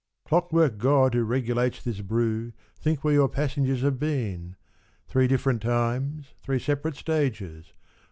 Clock work God who regulates this brew, Think where your passengers have been ! Three different times. Three separate stages.